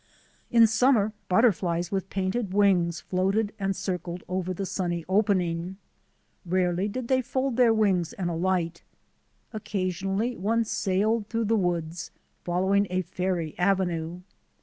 In summer butterflies with painted wings floated and circled over the sunny opening. Rarely did they fold their wings and alight. Occasionally one sailed through the woods, following a fairy avenue.